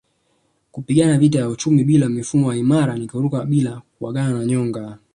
Kupigana vita ya uchumi bila mifumo imara ni kuruka bila kuagana na nyonga